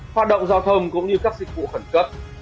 hoạt động giao thông cũng như các dịch vụ khẩn cấp